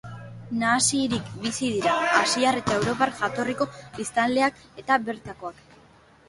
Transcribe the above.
Nahasirik bizi dira asiar eta europar jatorriko biztanleak eta bertakoak.